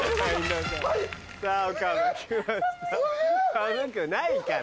寒くないから。